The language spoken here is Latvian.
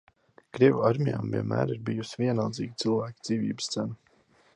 Krievu armijām vienmēr ir bijusi vienaldzīga cilvēka dzīvības cena.